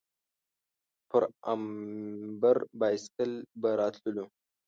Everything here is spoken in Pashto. پر امبر بایسکل به راتللو.